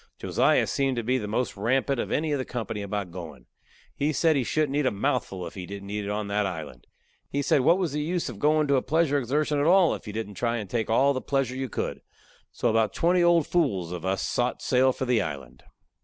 Josiah seemed to be the most rampant of any of the company about goin'. He said he shouldn't eat a mouthful if he didn't eat it on that island. He said what was the use of going to a pleasure exertion at all if you didn't try to take all the pleasure you could. So about twenty old fools of us sot sail for the island.